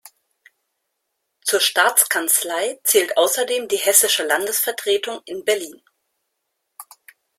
Zur Staatskanzlei zählt außerdem die Hessische Landesvertretung in Berlin.